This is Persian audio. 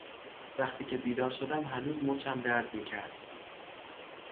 وقتی که بیدار شدم هنوز مچم درد می کرد